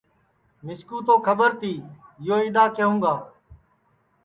مِسکُو تو کھٻر تی یو اِدؔا کیہوں گا